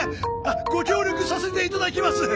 ご協力させていただきます。